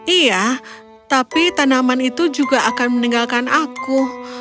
iya tapi tanaman itu juga akan meninggalkan aku